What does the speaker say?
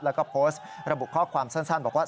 แล้วก็โพสต์ระบุข้อความสั้นบอกว่า